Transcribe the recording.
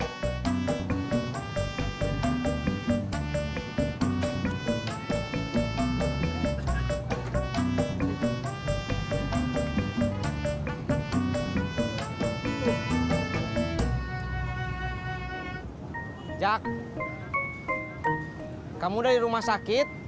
ojak kamu udah di rumah sakit